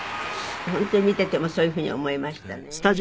本当に見ていてもそういうふうに思いましたね。